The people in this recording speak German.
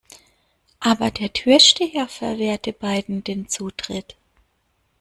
Aber der Türsteher verwehrte beiden den Zutritt.